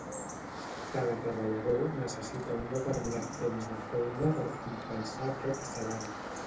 Cada treballador necessita un determinat temps de feina per compensar aquest salari.